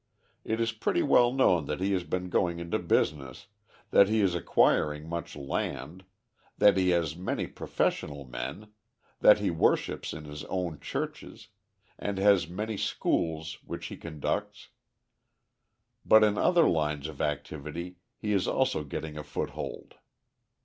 It is pretty well known that he has been going into business, that he is acquiring much land, that he has many professional men, that he worships in his own churches and has many schools which he conducts but in other lines of activity he is also getting a foothold.